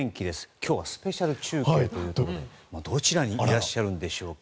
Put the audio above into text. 今日はスペシャル中継ということでどちらにいらっしゃるんでしょうか。